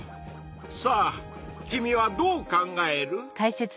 さあ君はどう考える？